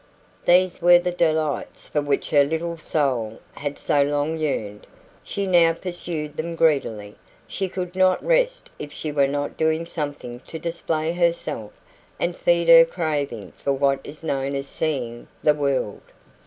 These were the delights for which her little soul had so long yearned; she now pursued them greedily. She could not rest if she were not doing something to display herself and feed her craving for what is known as seeing the world.